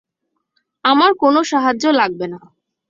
আমার কোনো সাহায্য লাগবে না।